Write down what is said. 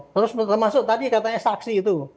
harus termasuk tadi katanya saksi itu